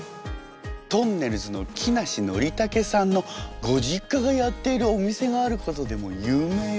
とんねるずの木梨憲武さんのご実家がやっているお店があることでも有名よね。